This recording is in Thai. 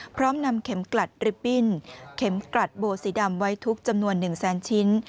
พร้อมนำเข็มกลัดริปปิ้นเข็มกลัดโบสีดำไว้ทุกจำนวน๑แสนชิ้น